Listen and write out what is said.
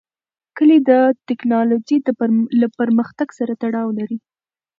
کلي د تکنالوژۍ له پرمختګ سره تړاو لري.